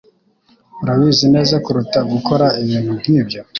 Urabizi neza kuruta gukora ibintu nkibyo.